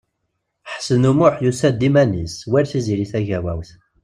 Ḥsen U Muḥ yusa-d iman-is, war Tiziri Tagawawt.